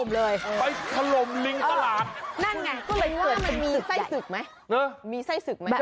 มันค่อยยุ่งขึ้นอันแข็งทั่ว